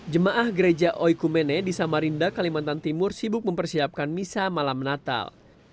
jemaah gereja oikumene di samarinda kalimantan timur sibuk mempersiapkan misa malam natal